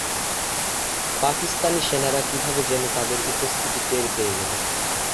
পাকিস্তানি সেনারা কীভাবে যেন তাদের উপস্থিতি টের পেয়ে গেল।